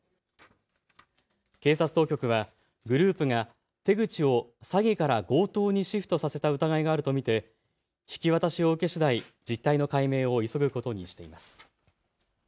警察当局はグループが手口を詐欺から強盗にシフトさせた疑いがあると見て引き渡しを受けしだい実態の解明を急ぐことにしています。